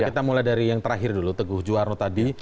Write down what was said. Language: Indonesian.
kita mulai dari yang terakhir dulu teguh juwarno tadi